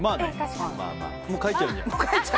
もう書いちゃうんじゃない？